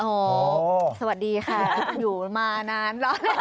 โอ้สวัสดีค่ะอยู่มานาน